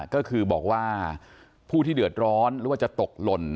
ก็คือบอกว่าผู้ที่เดือดร้อนหรือว่าจะตกหล่น